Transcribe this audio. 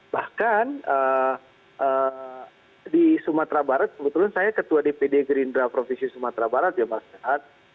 bahkan di sumatera barat kebetulan saya ketua dpd gerindra provinsi sumatera barat ya mas rehat